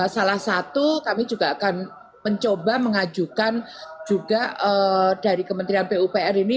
salah satu kami juga akan mencoba mengajukan juga dari kementerian pupr ini